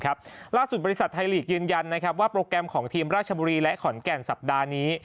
ล่าสุดบริษัทไทยลีกยืนยันว่าโปรแกรมของทีมราชบุรีและขอนแก่นสัปดาห์นี้